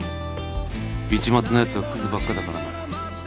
市松のやつはクズばっかだからな。